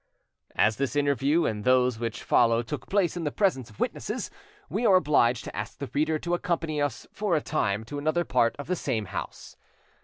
As this interview and those which follow took place in the presence of witnesses, we are obliged to ask the reader to accompany us for a time to another part of the same house.